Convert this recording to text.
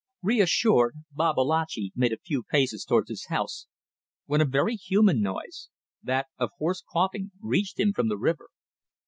Reassured, Babalatchi made a few paces towards his house, when a very human noise, that of hoarse coughing, reached him from the river.